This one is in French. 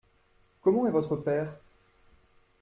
Comment est votre père ?